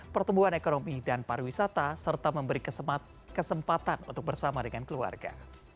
pertumbuhan ekonomi dan pariwisata serta memberi kesempatan untuk bersama dengan keluarga